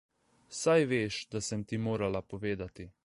Saj veš, da sem ti morala povedati.